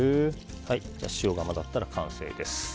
塩が混ざったら完成です。